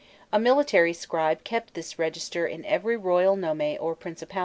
A military scribe kept this register in every royal nome or principality.